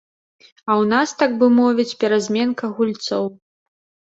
А ў нас, так бы мовіць, перазменка гульцоў.